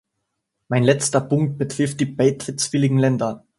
Mein letzter Punkt betrifft die beitrittswilligen Länder.